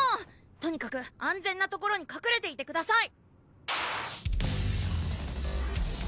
とにかく安全な所にかくれていてください！